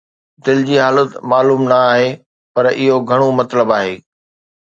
دل جي حالت معلوم نه آهي، پر اهو گهڻو مطلب آهي